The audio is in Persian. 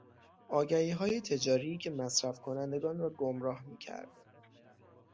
آگهیهای تجاری که مصرف کنندگان را گمراه میکرد.